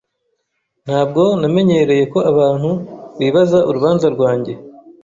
Ntabwo namenyereye ko abantu bibaza urubanza rwanjye.